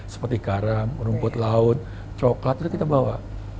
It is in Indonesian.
seperti garam rumput laut coklat itu kita bawa